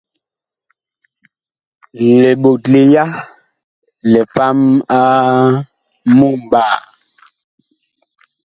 Liɓotle ya lipam a mumɓaa.